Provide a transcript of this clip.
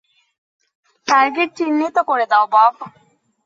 Target চিহ্নিত করে দাও, বব।